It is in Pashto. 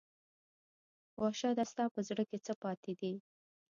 وحشته ستا په زړه کې څـه پاتې دي